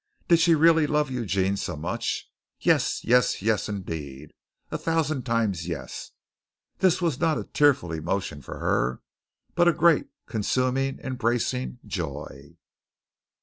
Did she really love Eugene so much? Yes, yes, yes, indeed. A thousand times yes. This was not a tearful emotion for her, but a great, consuming, embracing joy.